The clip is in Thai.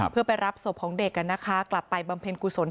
เพื่อไปรับศพของเด็กกลับไปบำเพ็ญกุศล